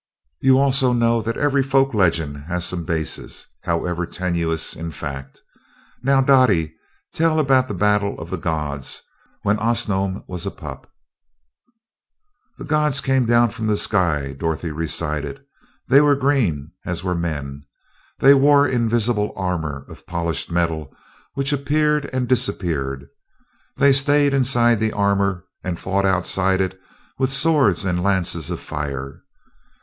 You also know that every folk legend has some basis, however tenuous, in fact. Now, Dottie, tell about the battle of the gods, when Osnome was a pup." "The gods came down from the sky," Dorothy recited. "They were green, as were men. They wore invisible armor of polished metal, which appeared and disappeared. They stayed inside the armor and fought outside it with swords and lances of fire.